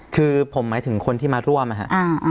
คือผมหมายถึงคนที่มาร่วมนะครับ